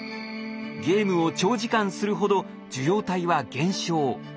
ゲームを長時間するほど受容体は減少。